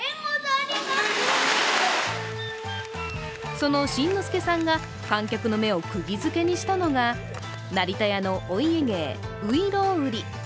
その新之助さんが観客の目をくぎづけにしたのが成田屋のお家芸、外郎売。